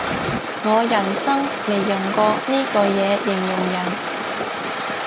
我人生未用過呢句嘢形容人